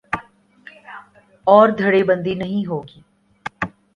اور دھڑے بندی نہیں ہو گی۔